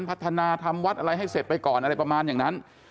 พัฒนาทำวัดอะไรให้เสร็จไปก่อนอะไรประมาณอย่างนั้น